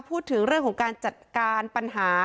พูดถึงเรื่องของการจัดการปัญหา